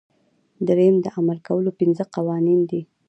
دریم د عمل کولو پنځه قوانین دي.